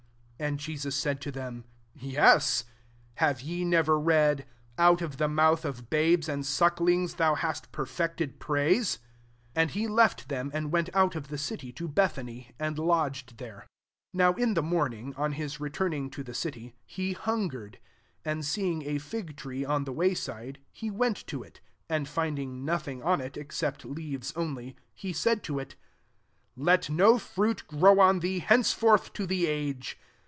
* 16 And Jesus said to them, Yes ! Have ye never read, ' Out of the mouth of babes and sucklings thou hast perfected praise V " 17 And he left them and went out of the city to Be thany, and lodged there. 18 NOW in the morning^ on his returning to the city, b^j hungered. 19 And seeing a fig tree on the way Md^, he weql to it ; and finding nothing on |l»' except leaves only, he said to it, «' Let no fruit grow on thee henceforth to the age."